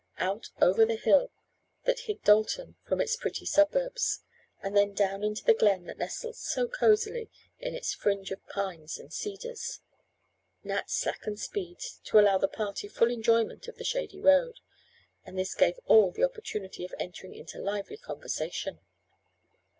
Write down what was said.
Out over the hill that hid Dalton from its pretty suburbs, and then down into the glen that nestled so cozily in its fringe of pines and cedars. Nat slackened speed to allow the party full enjoyment of the shady road, and this gave all an opportunity of entering into lively conversation.